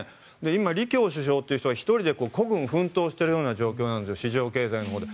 今、李強首相という人が１人孤軍奮闘しているような状況で市場経済のほうで。